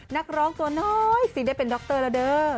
นักร้องตัวน้อยสิได้เป็นดรแล้วเด้อ